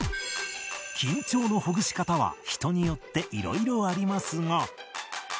緊張のほぐし方は人によって色々ありますが